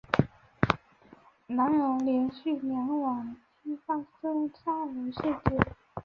然而连续两晚均发生杀人事件。